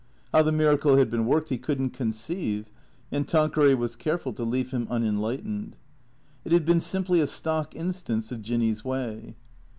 How the miracle had been worked he could n't conceive, and Tanqueray was careful to leave him unenlightened. It had been simply a stock instance of Jinny's way.